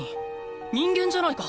人間じゃないか！